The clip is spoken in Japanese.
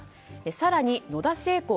更に野田聖子